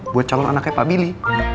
buat calon anaknya pak billy